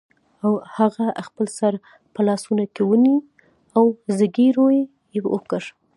هغه خپل سر په لاسونو کې ونیو او زګیروی یې وکړ